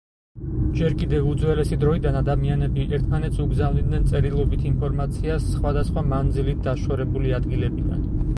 ჯერ კიდევ უძველესი დროიდან ადამიანები ერთმანეთს უგზავნიდნენ წერილობით ინფორმაციას სხვადასხვა მანძილით დაშორებული ადგილებიდან.